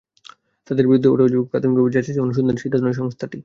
তাদের বিরুদ্ধে ওঠা অভিযোগ প্রাথমিকভাবে যাচাই শেষে অনুসন্ধানের সিদ্ধান্ত নেয় সংস্থাটি।